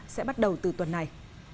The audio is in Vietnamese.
sẽ bắt đầu từ tuần này